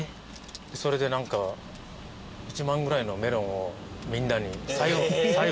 それで何か１万ぐらいのメロンをみんなに最後のときかな。